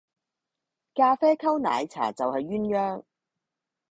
咖啡溝奶茶就係鴛鴦